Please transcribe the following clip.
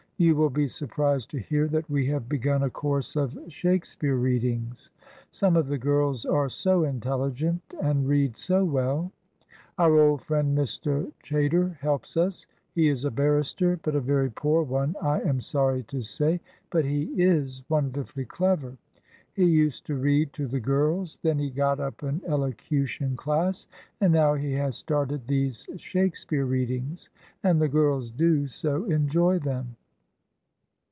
You will be surprised to hear that we have begun a course of Shakespeare readings. Some of the girls are so intelligent, and read so well! Our old friend, Mr. Chaytor, helps us. He is a barrister, but a very poor one, I am sorry to say; but he is wonderfully clever. He used to read to the girls. Then he got up an elocution class; and now he has started these Shakespeare readings, and the girls do so enjoy them!"